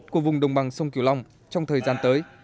của vùng đồng bằng sông kiều long trong thời gian tới